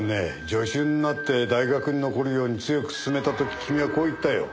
助手になって大学に残るように強くすすめた時君はこう言ったよ。